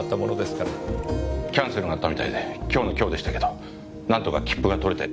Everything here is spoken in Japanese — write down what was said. キャンセルがあったみたいで今日の今日でしたけどなんとか切符が取れて。